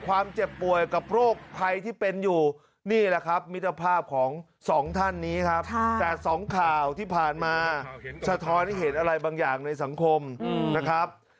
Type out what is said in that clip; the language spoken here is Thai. อะไรบางอย่างในสังคมนะครับ